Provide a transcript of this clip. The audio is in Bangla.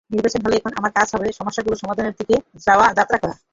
নির্বাচিত হলে এখন আমার কাজ হবে সমস্যাগুলোর সমাধানের দিকে যাত্রা করা।